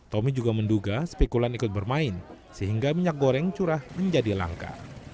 tommy juga menduga spikulan ikut bermain sehingga minyak goreng curah menjadi langka